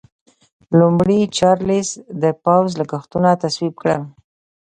لومړي چارلېز د پوځ لګښتونه تصویب کړل.